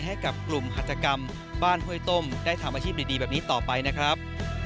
ให้กับกลุ่มหัตกรรมบ้านห้วยต้มได้ทำอาชีพดีแบบนี้ต่อไปนะครับ